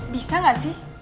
bisa gak sih